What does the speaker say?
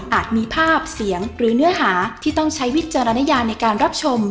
มีภาพเสียงหรือเนื้อหาที่ต้องใช้วิจารณญาในการรับชม